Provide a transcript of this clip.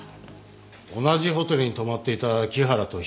同じホテルに泊まっていた木原と日原。